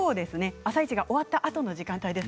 「あさイチ」が終わったあとの時間帯です。